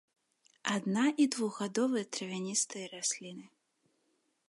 Адна- і двухгадовыя травяністыя расліны.